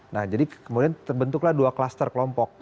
nah jadi kemudian terbentuklah dua klaster kelompok